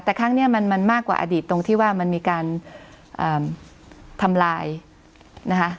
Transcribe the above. แต่ครั้งนี้มันมากกว่าอดีตตรงที่ว่ามันมีการทำลายนะคะ